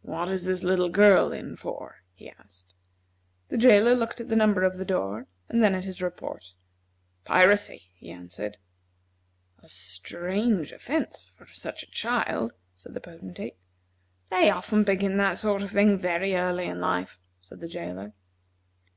"What is this little girl in for?" he asked. The jailer looked at the number over the door, and then at his report. "Piracy," he answered. "A strange offence for such a child," said the Potentate. "They often begin that sort of thing very early in life," said the jailer.